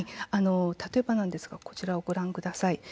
例えばなんですがこちらをご覧ください。